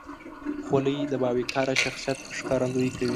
خولۍ د باوقاره شخصیت ښکارندویي کوي.